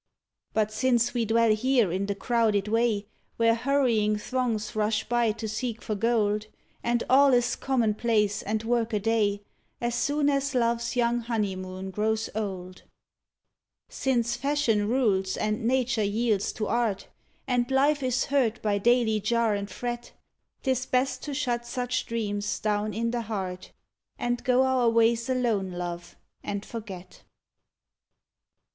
But since we dwell here in the crowded way, Where hurrying throngs rush by to seek for gold, And all is common place and work a day, As soon as love's young honeymoon grows old; Since fashion rules and nature yields to art, And life is hurt by daily jar and fret, 'Tis best to shut such dreams down in the heart And go our ways alone, love, and forget.